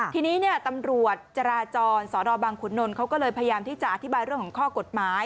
ทีนี้เนี่ยตำรวจจราจรสนบังขุนนลเขาก็เลยพยายามที่จะอธิบายเรื่องของข้อกฎหมาย